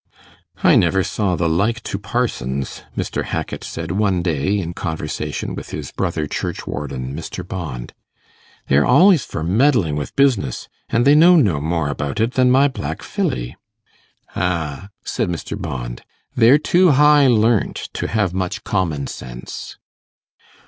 'I never saw the like to parsons,' Mr. Hackit said one day in conversation with his brother churchwarden, Mr. Bond; 'they're al'ys for meddling with business, an they know no more about it than my black filly.' 'Ah,' said Mr. Bond, 'they're too high learnt to have much common sense.